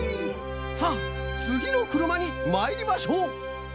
さあつぎのくるまにまいりましょう。